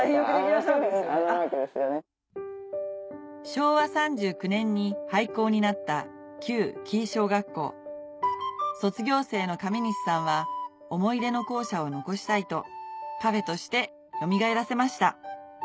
昭和３９年に廃校になった城井小学校卒業生の上西さんは思い出の校舎を残したいとカフェとしてよみがえらせました